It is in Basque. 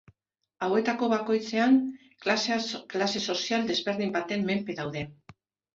Hauetako bakoitzean klase sozial desberdin baten menpe daude.